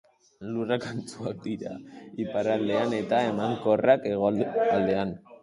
Lurrak antzuak dira iparraldean eta emankorrak hegoaldean.